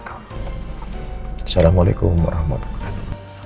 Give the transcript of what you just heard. assalamualaikum warahmatullahi wabarakatuh